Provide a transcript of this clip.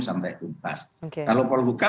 sampai tuntas kalau polukam